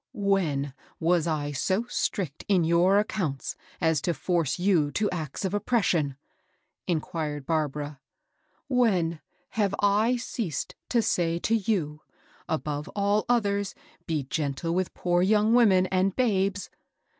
" When was Iso strict in your accounts as to force you to acts of oppression?" inquired Barbara; when have I ceased to asj to you, ' above all others, be gentle with poor young women and babes